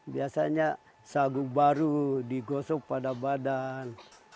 biasanya sagu baru digosok pada badan